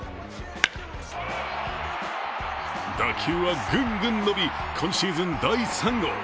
打球はグングン伸び、今シーズン第３号。